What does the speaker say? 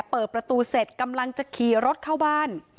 เปิดประตูเสร็จกำลังจะขี่รถเข้าบ้าน